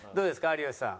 有吉さん。